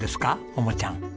桃ちゃん。